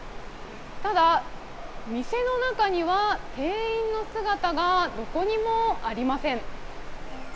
ただ、店の中には店員の姿がどこにもありません。